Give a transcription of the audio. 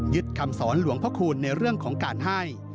คำสอนหลวงพระคูณในเรื่องของการให้